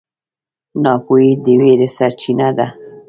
ناپوهي د وېرې سرچینه ده.